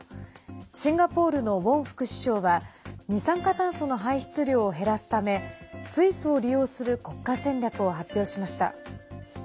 シンガポールのウォン副首相は二酸化炭素の排出量を減らすため水素を利用する国家戦略を発表しました。